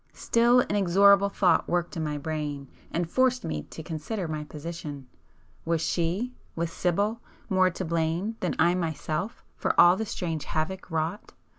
Still inexorable thought worked in my brain, and forced me to consider my position. Was she,—was Sibyl—more to blame than I myself for all the strange havoc wrought?